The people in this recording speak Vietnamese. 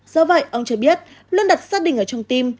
do vậy ông cho biết luôn đặt gia đình ở trong tim